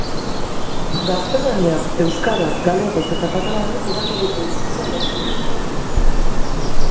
Gaztelaniaz, euskaraz, galegoz eta katalanez irakurriko dituzte olerkiak.